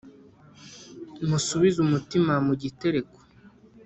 Musubize umutima mu gitereko,